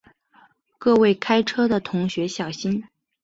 各位开车的同学小心